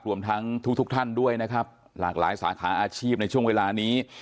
รวมทั้งทุกท่านด้วยนะครับหลากหลายสาขาอาชีพในช่วงเวลานี้